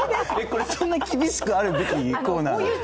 これ、そんな厳しくあるべきコーナー？